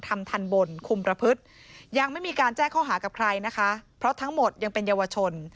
ทันบนคุมประพฤติยังไม่มีการแจ้งข้อหากับใครนะคะเพราะทั้งหมดยังเป็นเยาวชน